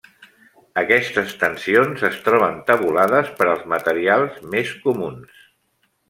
Aquestes tensions es troben tabulades per als materials més comuns.